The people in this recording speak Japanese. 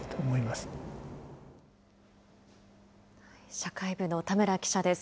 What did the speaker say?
社会部の田村記者です。